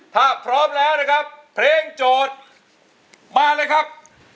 ถ้าพร้อมแล้วนะครับเพลงโจทย์มาเลยครับ